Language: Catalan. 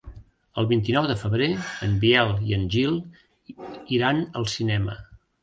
El vint-i-nou de febrer en Biel i en Gil iran al cinema.